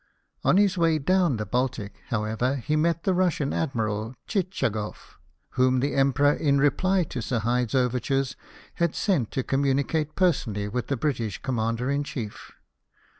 On his way down the Baltic, however, he met the Russian Admiral Tchitchagof, whom the Emperor, in reply to Sir Hyde's overtures, had sent to com municate personally with the British Commander in Chief.